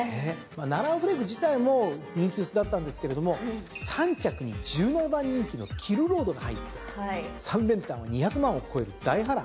ナランフレグ自体も人気薄だったんですけれども３着に１７番人気のキルロードが入って３連単は２００万を超える大波乱。